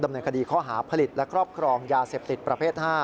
เนินคดีข้อหาผลิตและครอบครองยาเสพติดประเภท๕